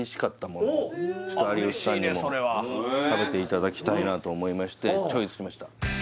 それはちょっと有吉さんにも食べていただきたいなと思いましてチョイスしました